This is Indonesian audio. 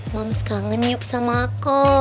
mam kangen yuk sama aku